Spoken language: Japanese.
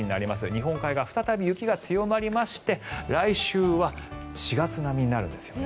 日本海側は再び雪が強まりまして来週は４月並みになるんですよね。